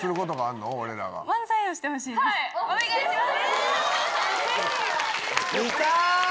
お願いします！